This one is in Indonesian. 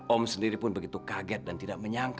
om sendiri pun begitu kaget dan tidak menyangka